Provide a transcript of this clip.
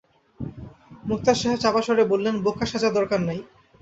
মোক্তার সাহেব চাপা স্বরে বললেন, বোকা সাজার দরকার নাই!